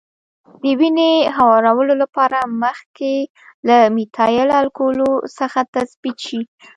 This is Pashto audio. د وینې هموارولو لپاره مخکې له میتایل الکولو څخه تثبیت شي.